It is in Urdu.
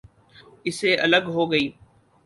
اس سے الگ ہو گئی۔